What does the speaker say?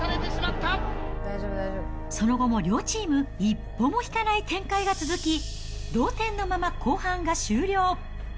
その後も両チーム、一歩も引かない展開が続き、同点のまま後半が終了。